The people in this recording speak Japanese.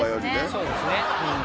そうですねうん。